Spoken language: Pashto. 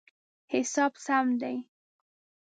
حساب سم دی